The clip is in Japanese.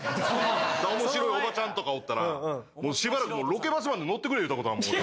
面白いおばちゃんとかおったらしばらくロケバスまで乗ってくれ言うたことあんもん俺